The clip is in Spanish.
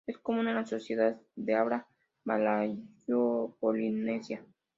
Es común en las sociedades de habla malayo-polinesia.